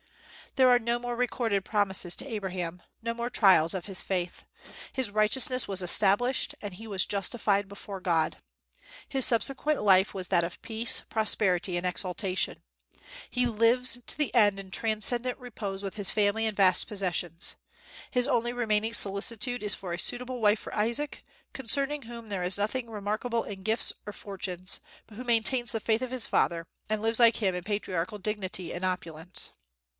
There are no more recorded promises to Abraham, no more trials of his faith. His righteousness was established, and he was justified before God. His subsequent life was that of peace, prosperity, and exaltation. He lives to the end in transcendent repose with his family and vast possessions. His only remaining solicitude is for a suitable wife for Isaac, concerning whom there is nothing remarkable in gifts or fortunes, but who maintains the faith of his father, and lives like him in patriarchal dignity and opulence.